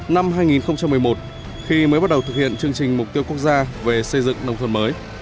năm hai nghìn một mươi một khi mới bắt đầu thực hiện chương trình mục tiêu quốc gia về xây dựng nông thôn mới